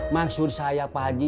maksud saya pak haji